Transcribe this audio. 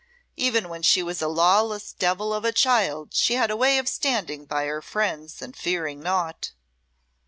Even when she was a lawless devil of a child she had a way of standing by her friends and fearing naught."